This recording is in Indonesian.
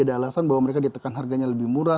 ada alasan bahwa mereka ditekan harganya lebih murah